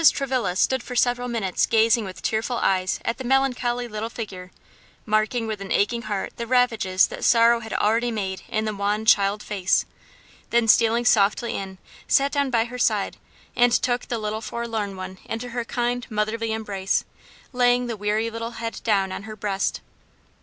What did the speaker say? Travilla, stood for several minutes gazing with tearful eyes at the melancholy little figure, marking with an aching heart the ravages that sorrow had already made in the wan child face; then stealing softly in, sat down by her side, and took the little forlorn one into her kind motherly embrace, laying the weary little head down on her breast.